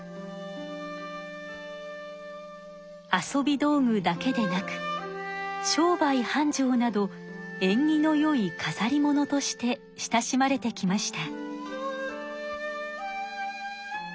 遊び道具だけでなく商売はんじょうなどえんぎのよいかざりものとして親しまれてきました。